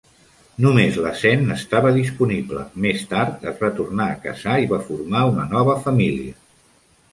Només la Sen estava disponible; més tard es va tornar a casar i va formar una nova família.